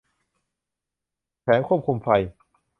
แผงควบคุมไฟ